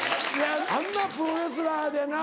あんなプロレスラーでやな